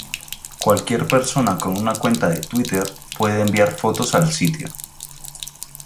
Cualquier persona con una cuenta de Twitter pueden enviar fotos al sitio.